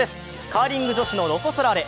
カーリング女子のロコ・ソラーレ。